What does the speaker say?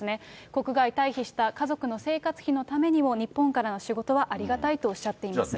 国外退避した家族の生活費のためにも、日本からの仕事はありがたいとおっしゃっています。